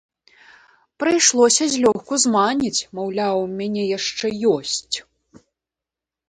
Прыйшлося злёгку зманіць, маўляў, у мяне яшчэ ёсць.